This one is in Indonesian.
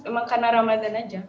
emang karena ramadhan aja